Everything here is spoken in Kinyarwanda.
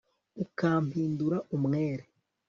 ukampindura umwere